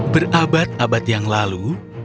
berabad abad yang lalu